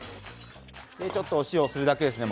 ちょっとお塩、するだけです。